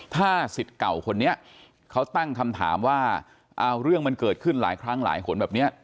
ถ้าสิทธิ์เก่าคนนี้เขาตั้งคำถามว่าเอาเรื่องมันเกิดขึ้นหลายครั้งหลายหนแบบนี้